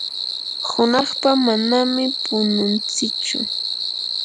hunaqpa manami pununtsichu.